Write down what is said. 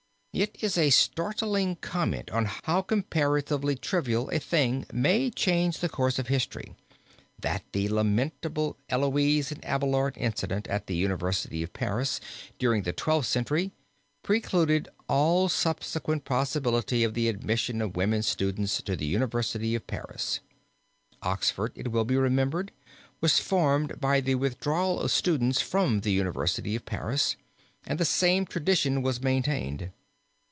It is a startling comment on how comparatively trivial a thing may change the course of history, that the lamentable Heloise and Abelard incident at the University of Paris during the Twelfth Century, precluded all subsequent possibility of the admission of women students to the University of Paris. Oxford, it will be remembered, was formed by the withdrawal of students from the University of Paris, and the same tradition was maintained.